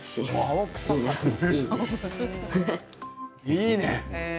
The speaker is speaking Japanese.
いいね。